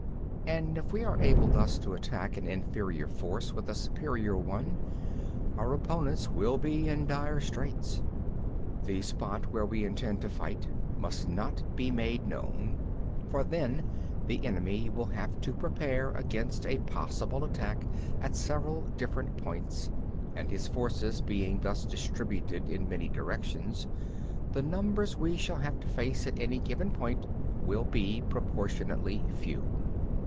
15. And if we are able thus to attack an inferior force with a superior one, our opponents will be in dire straits. 16. The spot where we intend to fight must not be made known; for then the enemy will have to prepare against a possible attack at several different points; and his forces being thus distributed in many directions, the numbers we shall have to face at any given point will be proportionately few.